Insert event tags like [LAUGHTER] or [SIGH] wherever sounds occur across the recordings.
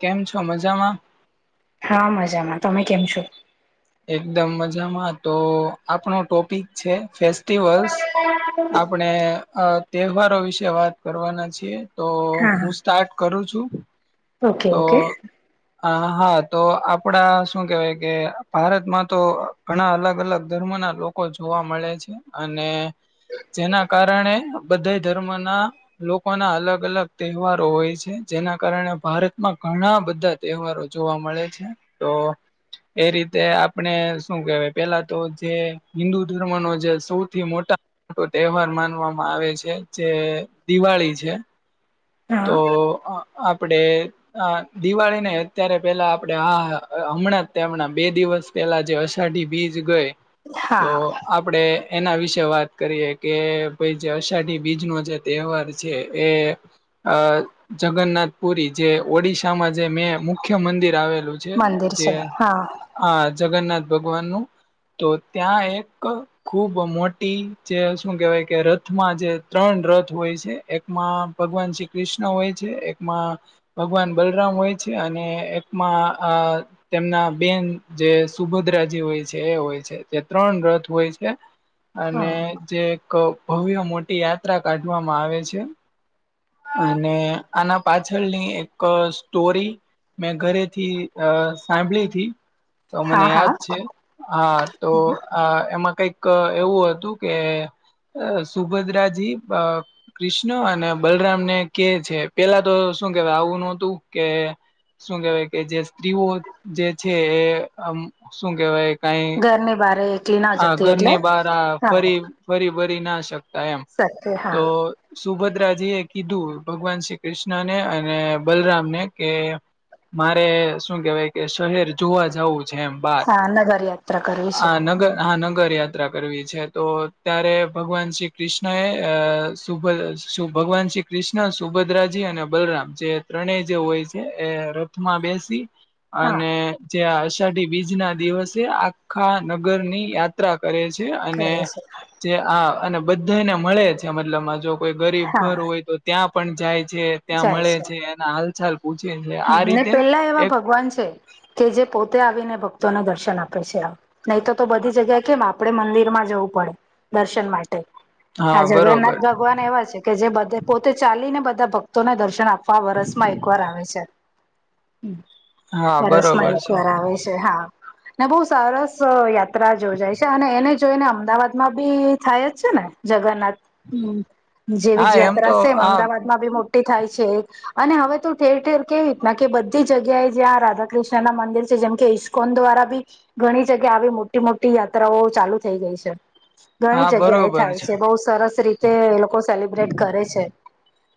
કેમ છો મજામાં? હા મજામાં. તમે કેમ છો? એકદમ મજામાં તો આપણો ટોપિક છે ફેસ્ટિવલ્સ. આપણે અ તહેવારો વિશે વાત કરવાના છીએ. તો હા હું હા સ્ટાર્ટ કરું છું. ઓકે તો ઓકે અ હા તો આપડા શું કેવાય કે ભારતમાં તો ઘણા અલગ અલગ ધર્મો ના લોકો જોવા મળે છે અને જેના કારણે બધા ધર્મના લોકો ના અલગ અલગ તહેવારો હોય છે જેના કારણે ભારતમાં ઘણા બધા તહેવારો જોવા મળે છે તો એ રીતે તે આપણે શું કેહેવાય પેલા તો જે હિન્દુ ધર્મ ન જે સૌથી મોટા મોટો તહેવાર માનવામાં આવે છે જે દિવાળી છે. તો હા આપડે હ દિવાળી નને અત્યારે પેલા આપડે હા હમણાં જ તેમ હણાં બે દિવસ પેલા જે અષાઢી બીજ ગય તો હા આપડે એના વિશે વાત કરીએ કે ભાઈ જે અષાઢી બીજ નો જે તહેવાર છે એ અ જગન્નાથ પુરી જે ઓડિશામાં જે મેં મુખ્ય મંદિર આવેલું છે. મંદિર જે છે હા આ જગન્નાથ ભગવાન નું તો ત્યાં એક ખુબ મોટી જે શું કેહેવાય કે રથમાં જે ત્રણ રથ હોય છે એકમાં ભગવાન શ્રી કૃષ્ણ હોય છે એકમાં ભગવાન બલરામ હોય છે અને એકમાં આ તેમના બેન જે સુભદ્રાજી હોય છે એ હોય છે તે ત્રણ રથ હોય છે. અને હા જે એક ભવ્ય મોટી યાત્રા કાઢવામાં આવે છે. અને આના પાછળની એક સ્ટોરી મેં ઘરેથી અ સાંભળી થી તો મને હા હા યાદ છે હા તો અ એમાં કઈક એવું હતું કે અ સુભદ્રાજી કૃષ્ણ અને બલ રામને કે છે પેલા તો શું કેવાય આવું નતું કે શું કેવાય કે જે સ્ત્રીઓ જે છે એ શું કેહેવાય કઈ તેમને બારે એક હ ઘરની બાર ફરી ફરી ભરી ના શકતા એમ સત્ય તો હા સુભદ્રાજી એ કીધું ભગવાન શ્રી કૃષ્ણને અને બલરામને કે મારે શું કેવાય કે શહેર જોવા જવું છે એમ. બાર હા નગરયાત્રા કરવી છે. મહાનગર યાત્રા કરવી છે તો ત્યારે ભગવાન શ્રી કૃષ્ણએ સુભદ ભગવાન શ્રી કૃષ્ણ સુભદ્રાજી અને બલરામ જે ત્રણેય જે હોય છે એ માં બેસી હા અને જે અષાઢી બીજ ના દિવસે આખા નગરની યાત્ર કરે છે અને કરે છે જે આ અને બધાને મળે છે મતલબ જો. કોઈ ગરીબ હા ઘર હોય તો ત્યાં પણ જાય છે ત્યાં મળે છે એના હાલચાલ પૂછે છે. આ ને રીતે પેલા એવા એક ભગવાન છે કે જે પોતે આવીને ભક્તોને દર્શન આપે છે. નહી તો તો બધી જગ્યા કેમ આપડે મંદિર માં જવું પડે દર્શન માટે. આ હા બરોબર જગન્નાથ ભગવાન એવા છે કે જે બધ પોતે ચાલીને બધા ભક્તોને દર્શન આપે. આખા વરસમાં એક વાર આવે છે હા વરસમાં બરોબર એક છે વાર આવે છે. હા અને બો સરસ યાત્રા યોજાય છે અને એને જોઈને અમદાવાદ માં બી થાય જ છે ને જગન્નાથ હમ જેવી હા જ યાત્રા તો છે એમ આ અમદાવાદમાં બી મોટી. થાય છે અને હવે ત ઠેર ઠેર. કેવી રીતના કે બધી જગ્યાએ જ્યાં રાધા કૃષ્ણ ના મંદિર છે જેમ કે ઈસ્કોન દ્વારા બી. ઘણી જગ્યા આવી મોટી મોટી યાત્રાઓ ચાલુ થઈ ગઈ છે. ઘણી હા જગ્યા એ બરોબર થાય છે બહુ સરસ રીતે એ લોકો સેલિબ્રેટ કરે છે.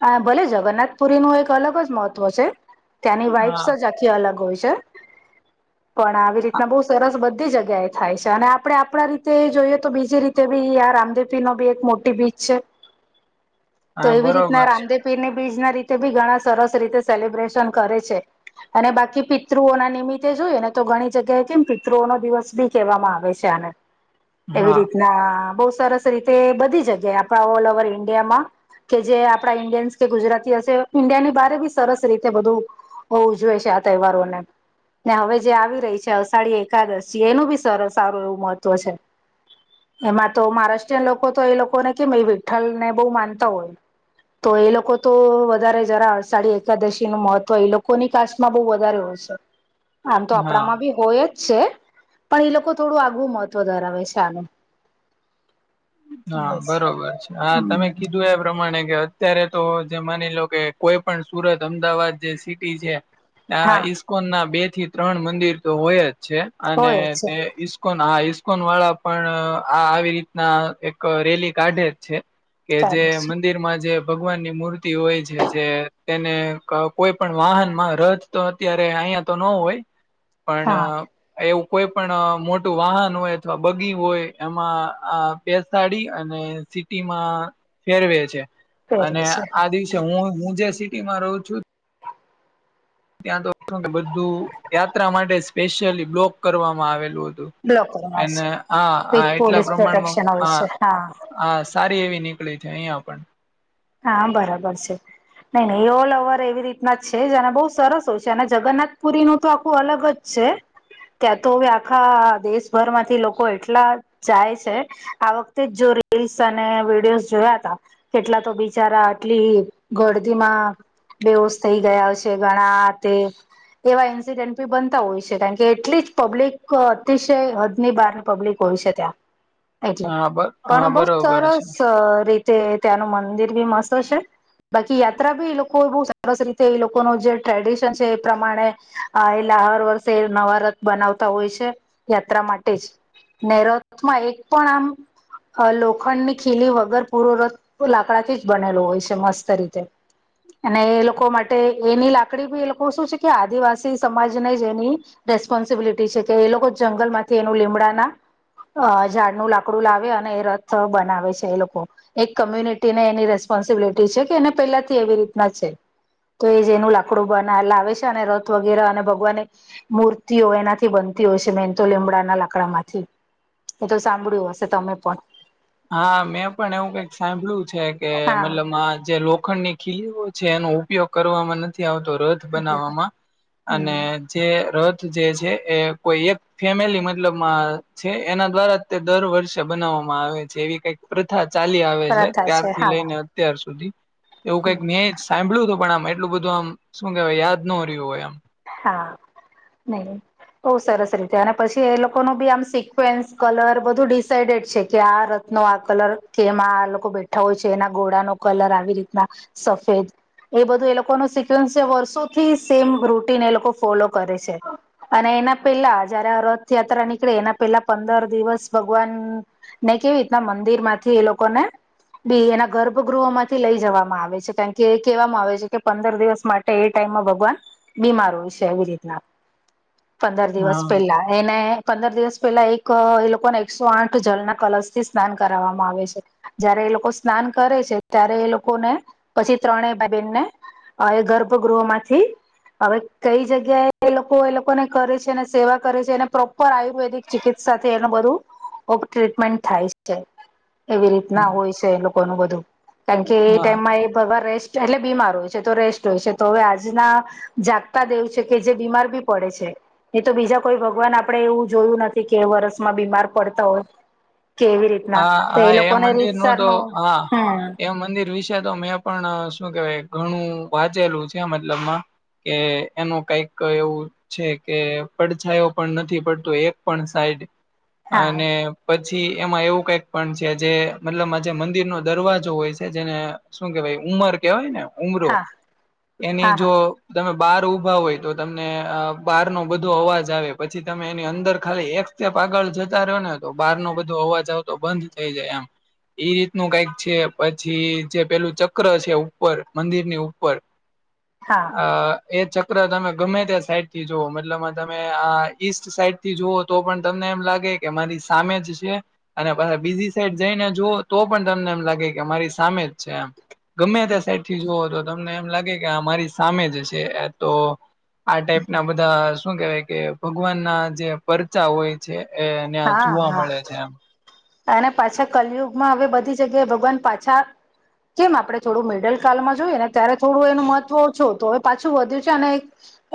હ ભલે જગન્નાથ પુરી નું એક અલગ જ મહત્વ છે. ત્યાંની હા વાઈપ્સ જ આખી અલગ હોય છે. [INAUDIBLE] પણ આવી રીતના બહુ સરસ બધી જગ્યાએ થાય છે અને આપડણે આપણા રીતે જોઈએ તો બીજી રીતે. ભી રામદેવી નો બી એક મોટી બીચ છે. [INAUDIBLE] તો એવી રીતના બરોબર છે રામદેવ પીરની બીજ ના રીતે બી ઘણા સરસ રીતે સેલિબ્રેશન કરે છે. અને બાકી પિતૃઓ ના નિમિત્તે જોઈએ ને તો ઘણી જગ્યાએ કેમ પિતૃઓ નો દિવસ બી કહેવામાં આવે છે આને. [INAUDIBLE] એવી રીતના બહુ સરસ રીતે બધી જગ્યાએ આપણા ઓલ ઓવર ઇન્ડિયામાં. કે જે આપડા ઈન્ડિયન્સ કે ગુજરાતી હશે ઈન્ડિયા ની બારે બી સરસ રીતે. તે બધું ઉજવે છે આ તહેવારોને. ને હવે જે આવી રહી છે અષાઢી એકાદશી એનું બી સારું એવું મહત્વ છે. એમાં તો મહારાષ્ટ્રીયન લોકો તો એ લોકોને કેમ એ વિઠ્ઠલ ને બહુ માનતા હોય. તો એ લોકો તો વધારે જરા અડસાળી એકાદશી. નું મહત્વ એ લોકોની કાસમાં બહ વધારે હોશે આમ તો હા આપણામાં બી. હોય જ છે પણ એ લોકો થોડું આગવ મહત્વ ધરાવે છે આનું. હા બરોબર છે હા તમે હમ કીું. એ પ્રમાણે કે અત્યારે તો જે માની લો કે કોઈ પણ સુરત અમદાવાદ જે સિટી છે. ત્યા હા ઈસ્કોન ના બે થી ત્રણ મંદિર તો હોય જ છે અને હોય છે તે ઈ. ઇસ્કોન હા ઇસ્કોન વાળા પણ આ આવી રીતના એક રેલી કાઢે જ છે. કે જે ચાલે મ. છે મંદિરમાં જે ભગવાન ની મૂર્તિ હોય છે જે તેને કોઈ પણ વાહનમાં રથ. તો અત્યારે અહિયાયા તો ન હોય. પણ હા એવું કોઈ પણ મોટું વાહન હોય અથવા બગી હોય એમાં. બેસાડી અને સિટીમાં ફેરવે છે અને પહેરવે છે આ દિવસે. હું હું જ્યા સિટી માં રહું છું. ત્યાં તો બધું યાત્રા માટે સ્પેશિયલી બ્લોક કરવામાં આવેલું હતું. બ્લોક કરવાસ એને હા હ વિથ એટલા પોલીસ પ્રમાણમાં પ્રોટેક્શન હોય હા. છે હા સારી એવી નીકળી છે અહિયાં પણ. હા બરાબર છે. નહી નહીં એ ઓલ ઓવર એવી રીતના જ છે જેને બહુ સરસ હોય છે અને જગન્નાથ પુરી ન તો આખું અલગ જ. છે ત્યાં તો હવે આખા દેશભર માંથી લોકો એટલા. જાય છે આ વખતે જ જો રીલ્સ અને વિડીિયોઝ જોયા ત કેટલા તો બીજ બચારા આટલી ગરદીમાં બેવોશ થઈ ગયા છે ઘણા તે એવા ઇન્સિડેન્ટ બી બનતા હોય છે કારણ કે એટલી જ પબ્લિક અતિશય હદ ની બહારની પબ્લિક ભવિષ્ય ને ત્યાં. [UNINTELLIGIBLE] એટલે બ હા પણ બહુ બરોબર છે. સરસ રીતે ત્યાંનું મંદિર બી મસ્ત છે. બાકી યાત્રા બી એ લોકો બહુ સરસ રીતે એ લોકો ન જે ટ્રેડિશન છે એ પ્રમાણે એલા હર વર્ષે નવારથ બનાવતા હોય છે યાત્રા માટે જ નૈરતમાં એક પણ આમ અ લોખંડ ની ખીલી વગર પૂરોરથ લાકડાથી જ બનેલું હોય છે મસ્ત રીતે અને એ લોકો માટે એની લાકડી ભી એ લોકો શું છે કે આદિવાસી સમાજને જે એની રેસ્પોન્સિબિલિટી છે કે એ લોકો જંગલમાંથી એનું લીમડાના અ ઝાડનું લાકડું લાવે અને એ રથ બનાવે છે એ લોકો એક કમ્યુનિટી ને એની રિસ્પોન્સિબિલિટી છે કે એને પેલા થી એવી રીતના છે. તો એ જેનું લાકડું બના લાવે છે અને રથ વગેરે અને ભગવાને મૂર્તિઓ એનાથી બનતી હોય છે મેન તો લીમડાના લાકડામાંથી એ તો સાંભળ્યું હશે તમે પણ હા મેં પણ એવું કઈક સાંભળ્યું છે કે હા મતલબ આ જે લોક. લોખંડ ની ખીલીઓ છે એનો ઉપયોગ કરવામાં નથી આવતો રથ બનાવવામાં અને હમ જે રથ જે છે એ કોઈ એક ફેમિલી મતલબ મા છે એના દ્વારા તે દર વર્ષે બનાવવામાં આવે. જેવી કઈક પ્રથા ચાલી આવે છે પ્રથા ત્યારથી હા લઈને અત્યાર સુધી એવું હમ કઈક નેયજ. હાભળ્યું હતું પણ આમ એટલું બધું આમ શું કહેવાય યાદ ન રહ્યું હોય આમ. હા નહી. બઉુ સરસ રીતે અને પછી એ લોકો ન બી આમ સિકવેન્સ કલર બધું ડિસઇડેડ છે કે આ નો આ કલર કે એમાં આ લોકો બેઠા હોય છે એના ઘોડાનો કલર આવી રીતના સફેદ એ બધું એ લોકો ને સિક્વન્સ છે વર્ષોથી સેમ રૂટીન એ લોકો ફોલો કરે છે. અને એના પેલા જયારે આ રથયાત્રા નીકળે એના પેલા પંદર દિવસ ભગવાન ને કેવી રીતના મંદિર માંથી એ લોકો ને બી એના ગર્ભગૃહો માંથી લઈ જવામાં આવે છે કારણ કે એ કહેવામાં આવે છે કે પંદર દિવસ માટે એ ટાઈમમાં ભગવાન બીમાર હોય છે એવી રીતના પંદર આમ દિવસ હા પહેલા એને પંદર દિવસ પહેલા એક એ લોકોને એકસો આઠ જળના કલશ થી સ્નાન કરાવવામાં આવે છે. જયારે એ લોકો સ્નાન કરે છે ત્યારે એ લોકો ને પછી ત્રણ ભાઈ બેન ને. એ ગર્ભગૃહ માંથી. હવે કઈ જગ્યાએ એ લોકો એ લોકોને કરે છે અને સેવા કરે છે અનેને પ્રોપર આયુર્વેદિક ચિકિત્સાથી એનું બધું કોક ટ્રીટમેન્ટ થાય છે. એવી રીતના હોય છે એ લોકો ન બધું કારણ કે એ હા ટાઈમમાં એ ભગવાન રેસ્ટ. એટલે બીમાર હોય છે તો રેસ્ટ હોય છે તો હવે આજના જાગતા દેવું છે કે જે બીમાર બી પડે છે. એ તો બીજા કોઈ ભગવાન આપડે એવું જોયું નથી કે એ વરસમાં બીમાર પડતા હોય. કેવી રીત. હા હા એ મંદિર નું તો હા હમ એ મંદિર વિશે તો મેં. પણ શું કેવાય ઘણું વાંચેલું છે મતલબમાં કે એનું કઈક એવું. છે કે પડછાયો પણ નથી પડતું એક પણ સાઈડ. હા અને પછી. એમાં એવું કઈક પણ છે જે મતલબ આજે મંદિરનો દરવાજો હોય છે જેને શું કેવાય ઉમર કેવાય ને ઉમરો હા એની હા હા જો તમે બાર ઊભા હોય તો તમને અ બાર નો બધો અવાજ આવે પછી તમે એની અંદર ખાલી એક તેમ આગળ જતા રહ્યો ને તો બાર નો બધો અવાજ આવતો બંધ થઈ જાય એમ. એ રીતનું કઈક છે પછી જે પેલું ચક્ર છે ઉપર મંદિરની ઉપર [INAUDIBLE] હા. અ એ ચક્ર તમે ગમે ત્યાં સાઈડ થી જુવ મતલબમાં તમે આ ઈસ્ટ સાઈડ થી જુઓ તો પણ તમને એમ લાગે કે મારી સામે જ છે અને પહા બીજી સાઈડ જઈને જુઓ તો પણ તમને એમ લાગે કે અમારી સામે જ છે એમ. ગમે ત્યાં સાઈડથી જુઓ તો તમને એમ લાગે કે અમારી સામે જ છે તો આ ટાઈપ ના બધા શું કેવાય કે ભગવાન ના જે પર પરચા હોય છે એ એને હા જોવા હા મળે છે એમ. અને પાછા કલિયુગમાં હવે બધી જગ્યાએ ભગવાન પાછા જેમ આપણે થોડું મિડલ કાલમાં જોઈએ ને ત્યારે થોડું એનું મહત્વ ઓછો તો હવે પાછું વધ્યું છે અને એક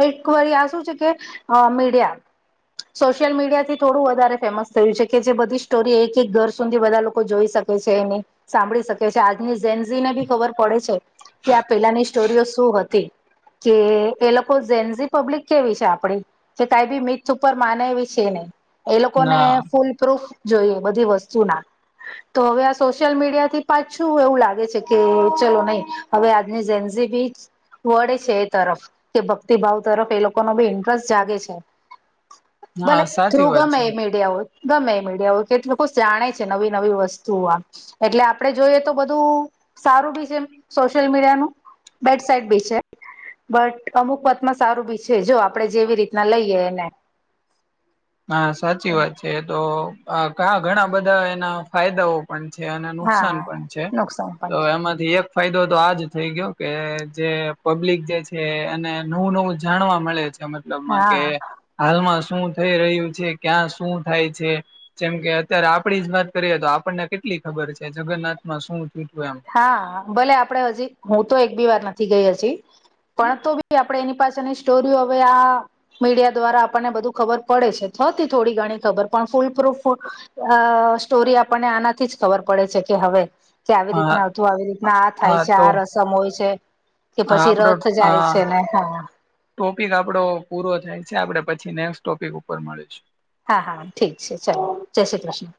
એક વાર આ શું છે કે આ મીડિયા સોશિયલ મીડિયા થી થોડું વધારે. ફેમસ થયું છે કે જે બધી સ્ટોરી એક એક ઘર સુધી બધા લોકો જોઈ શકે છે એની સાંભળી શકે છે. આજની ઝનઝીને ભી ખબર પડે છે. કે આ પેહલાની સ્ટોરીઓ શું હતી. કે એ લોકો ઝેન ઝી પબ્લિક કેવી છે આપડી? કે કઈ બી મીથ ઉપર માને એવી છે નહી. એ લોકોને ના ફૂલ પ્રૂફ જોઈએ બધી વસ્તુના. તો હવે આ સોશિયલ મીડિયાથી પાછું એવું લાગે છે કે, ચલો નહી હવે આજની ઝેનઝી બી વળે છે એ તરફ. કે ભક્તિભાવ તરફ એ લોકોનો બી ઇન્ટરેસ્ટ જાગે છે. હા! સાચી વાત છે. જવું ગમે મીડિયાઓ કે લોકો જાણે છે નવી નવી વસ્તુઓમાં એટલે આપડે જોઈએ તો બધું સારું બી છે, સોશિયલ મીડિયાનું બેડ સાઇડ બી છે. બટ અમુક વાતમાં સારું બી છે જો આપડે જેવી રીતના લઈએ એને. હા, સાચી વાત છે તો કા ઘણા બધા એના ફાયદાઓ પણ છે અને નુકસાન હા પણ છે. નુકસાન તો પણ એમાં એક ફાયદો તો આ જ થઈ ગયો કે જે પબ્લિક જે છે એને નવું નવું જાણવા મળે છે મતલબમાં કે, હાલમાં શું થઈ રહ્યું છે. ક્યાં શું થાય છે? જેમ કે, અત્યારે આપડી જ વાત કરીએ તો આપણને કેટલી ખબર છે જગન્નાથમાં શું થયુંતું એમ. હા, ભલે આપડે હજી હું તો એક બી વાર નથી ગઈ હજી પણ તો બી આપ આપણે એની પાસેની સ્ટોરીઓ હવે આ મીડિયા દ્વારા આપણને બધું ખબર પડે છે, હતી થોડી ઘણી ખબર પણ ફૂલ પ્રૂફ અ સ્ટોરી આપણને આનાથી જ ખબર પડે છે કે, હવે કે આવી હા રીતના અતું આવી રીતના આ થાય હા છે તો આ રસમ હોય છે કે પછી આપડો રથ જાય આ છે ને, હા. ટોપિક આપડો પૂરો થાય છે. આપડે પછી નેક્સ્ટ ટોપિક ઉપર મળીશું. હા હા હા ઠીક છે ચલો. જય શ્રી કૃષ્ણ.